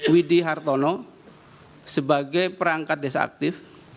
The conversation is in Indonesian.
widi hartono sebagai perangkat desa aktif